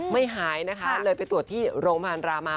ไม่หายนะคะเลยไปตรวจที่โรงพยาบาลรามา